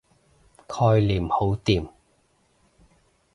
概念好掂